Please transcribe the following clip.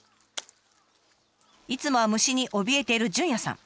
いつもは虫におびえているじゅんやさん。